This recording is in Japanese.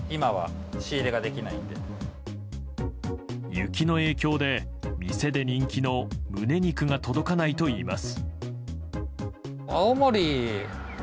雪の影響で店で人気の胸肉が届かないといいます。